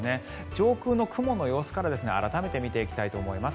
上空の雲の様子から改めて見ていきたいと思います。